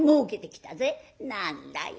「何だい